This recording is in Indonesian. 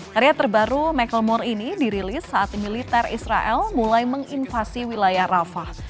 karya terbaru michaelmore ini dirilis saat militer israel mulai menginvasi wilayah rafah